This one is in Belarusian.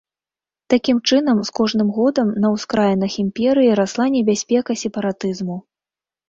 Такім чынам, з кожным годам на ўскраінах імперыі расла небяспека сепаратызму.